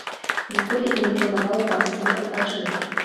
Ніколі і не планаваў там свой адпачынак.